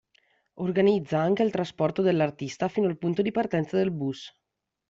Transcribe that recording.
Organizza anche il trasporto dell'artista fino al punto di partenza del bus.